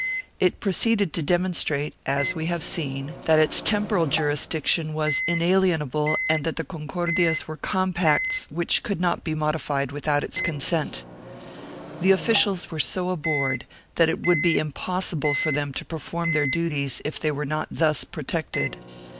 It proceeded to demonstrate, as we have seen (p. 345), that its temporal jurisdiction was inalienable and that the Concordias were com pacts which could not be modified without its consent. The officials were so abhorred that it would be impossible for them to perform their duties if they were not thus protected.